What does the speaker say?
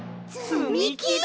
つみきだ！